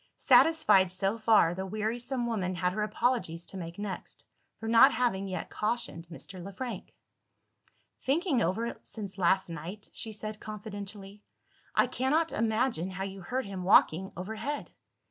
Satisfied so far, the wearisome woman had her apologies to make next, for not having yet cautioned Mr. Le Frank. "Thinking over it, since last night," she said confidentially, "I cannot imagine how you heard him walking overhead.